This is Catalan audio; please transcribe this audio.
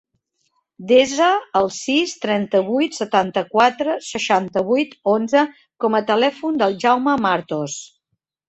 Desa el sis, trenta-vuit, setanta-quatre, seixanta-vuit, onze com a telèfon del Jaume Martos.